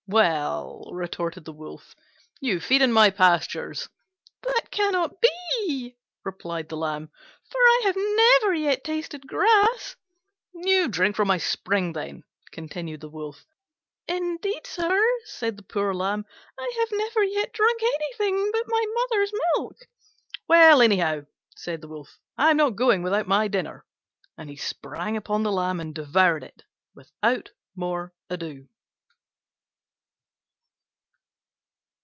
"Well," retorted the Wolf, "you feed in my pastures." "That cannot be," replied the Lamb, "for I have never yet tasted grass." "You drink from my spring, then," continued the Wolf. "Indeed, sir," said the poor Lamb, "I have never yet drunk anything but my mother's milk." "Well, anyhow," said the Wolf, "I'm not going without my dinner": and he sprang upon the Lamb and devoured it without more ado.